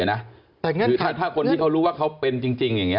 คือถ้าคนที่เขารู้ว่าเขาเป็นจริงอย่างนี้